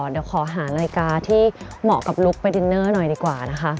เดี๋ยวขอหารายการที่เหมาะกับลุคไปดินเนอร์หน่อยดีกว่านะคะ